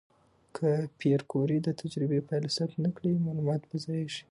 که پېیر کوري د تجربې پایله ثبت نه کړي، معلومات به ضایع شي.